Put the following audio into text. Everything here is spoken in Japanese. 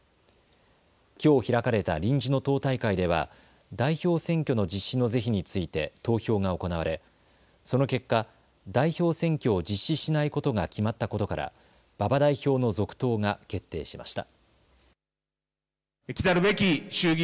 きょう開かれた臨時の党大会では代表選挙の実施の是非について投票が行われ、その結果、代表選挙を実施しないことが決まったことから馬場代表の続投が決定しました。